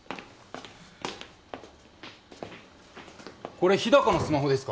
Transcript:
これ日高のスマホですか？